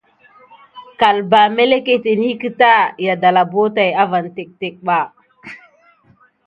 Kalbà meleketeni mqkuta dala ma taki avonba demi ke dansikiles.